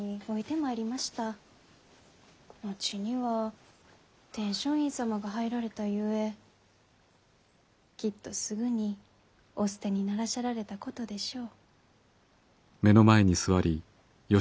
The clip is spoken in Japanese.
後には天璋院様が入られたゆえきっとすぐにお捨てにならしゃられたことでしょう。